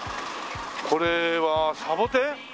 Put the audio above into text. これはサボテン？